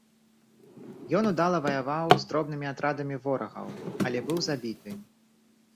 Ён удала ваяваў з дробнымі атрадамі ворагаў, але быў забіты.